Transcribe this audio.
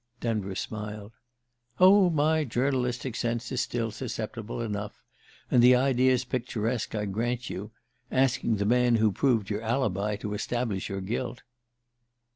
Denver smiled. "Oh, my journalistic sense is still susceptible enough and the idea's picturesque, I grant you: asking the man who proved your alibi to establish your guilt."